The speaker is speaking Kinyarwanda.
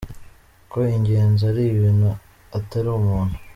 Ko ingenzi ari ibintu atari umuntu